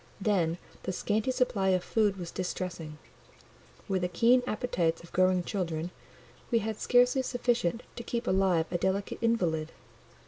Then the scanty supply of food was distressing: with the keen appetites of growing children, we had scarcely sufficient to keep alive a delicate invalid.